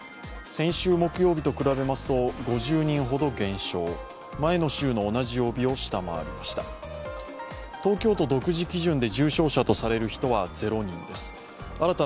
先週木曜日と比べますと５０人ほど減少、前の週の同じ曜日を下回りました。